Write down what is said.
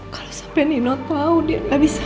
kalau sampai nino tau dia gak bisa